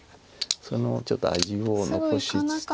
そのちょっと味を残しつつ。